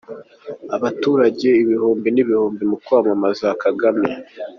Abaturage ibihumbi n'ibihumbi mu kwamamaza Kagame.